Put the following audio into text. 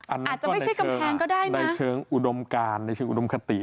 อันนั้นก็ในเชิงอุดมการในเชิงอุดมคติ